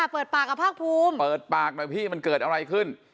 เปิดปากกับภาคภูมิเปิดปากหน่อยพี่มันเกิดอะไรขึ้น